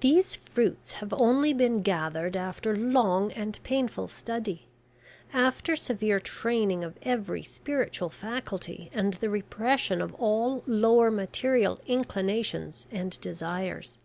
These fruits have only been gathered after long and painful study, after severe training of every spiritual faculty, and the repression of all lower material inclinations and desires.